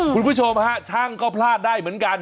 คุณผู้ชมฮะช่างก็พลาดได้เหมือนกัน